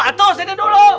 atuh sini dulu